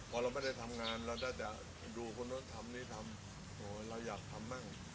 พอเราไม่ได้ทำงานเราน่าจะดูคนนู้นทำนี่ทำโอ้ยเราอยากทำบ้าง